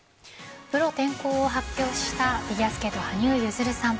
プロ転向を発表したフィギュアスケート羽生結弦さん。